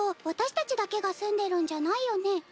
私たちだけが住んでるんじゃないよね？